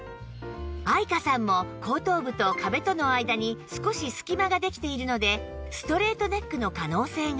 愛華さんも後頭部と壁との間に少しすき間ができているのでストレートネックの可能性が